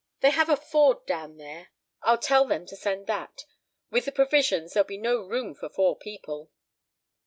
"They have a Ford down there. I'll tell them to send that. With the provisions there'll be no room for four people."